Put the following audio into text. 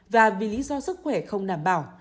và vì lý do sức khỏe không đảm bảo